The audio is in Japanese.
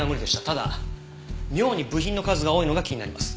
ただ妙に部品の数が多いのが気になります。